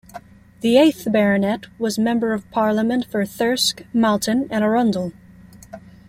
The eighth Baronet was Member of Parliament for Thirsk, Malton and Arundel.